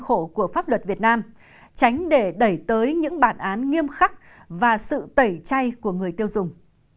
khổ của pháp luật việt nam tránh để đẩy tới những bản án nghiêm khắc và sự tẩy chay của người tiêu dùng